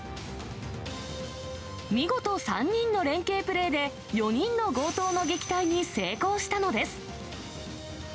見事３人の連係プレーで、４人の強盗の撃退に成功したのです。